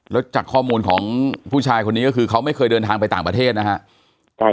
แล้วจากข้อมูลของผู้ชายคนนี้ก็คือเขาไม่เคยเดินทางไปต่างประเทศนะครับ